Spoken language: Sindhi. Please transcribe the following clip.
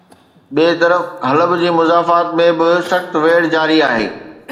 ٻئي طرف حلب جي مضافات ۾ به سخت ويڙهه جاري آهي